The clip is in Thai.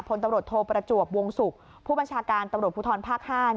พลตำรวจโทประจวบวงศุกร์ผู้บัญชาการตำรวจภูทรภาค๕